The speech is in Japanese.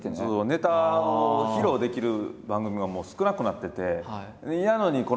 ネタを披露できる番組が少なくなってて。